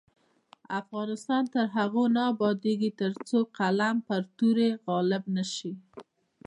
افغانستان تر هغو نه ابادیږي، ترڅو قلم پر تورې غالب نشي.